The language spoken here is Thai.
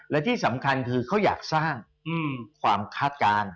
และที่สำคัญคือเขาอยากสร้างความคาดการณ์